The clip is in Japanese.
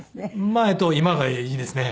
前と今がいいですね。